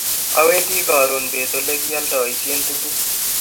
awendi karoon beet olegialdoishen tuguuk